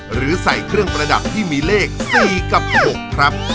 หรือใส่เครื่องประดับที่มีเลข๔กับ๖ครับ